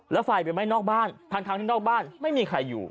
แล้วไฟไปไหม้นอกบ้านทั้งที่นอกบ้านไม่มีใครอยู่